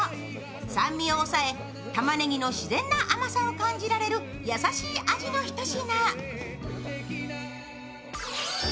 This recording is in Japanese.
酸味を抑えたまねぎの自然な甘さを感じられる優しい味の一品。